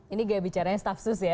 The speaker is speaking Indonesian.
ini kayak bicara staffsus ya